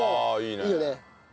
いいよね。